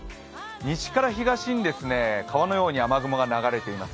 西から東に川のように雨雲が流れています。